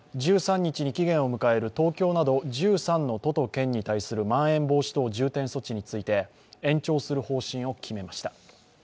１３日に期限を迎える東京など１３の都と県に関するまん延防止等重点措置について延長する方針を決めました。